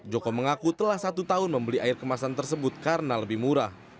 joko mengaku telah satu tahun membeli air kemasan tersebut karena lebih murah